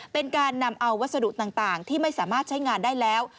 เป็นการนำเอาวัสดุต่างที่ไม่สามารถใช้งานได้แล้ว